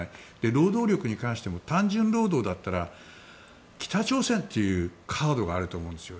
労働力に関しても単純労働だったら北朝鮮というカードがあると思うんですよ。